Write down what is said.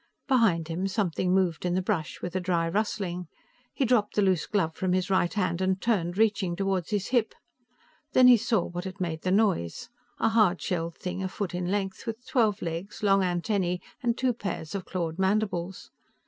Behind him, something moved in the brush with a dry rustling. He dropped the loose glove from his right hand and turned, reaching toward his hip. Then he saw what had made the noise a hard shelled thing a foot in length, with twelve legs, long antennae and two pairs of clawed mandibles.